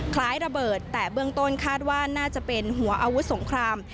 คล้ายระเบิดแต่เบื้องต้นคาดว่าน่าจะเป็นหัวอาวุธสงคราม